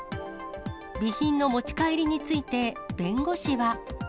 備品の持ち帰りについて、弁護士は。